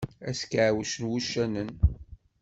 Askeɛwec n uccanen.